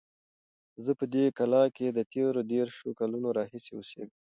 زه په دې کلا کې د تېرو دېرشو کلونو راهیسې اوسیږم.